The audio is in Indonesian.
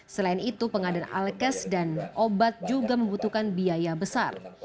selain itu pengadaan alkes dan obat juga membutuhkan biaya besar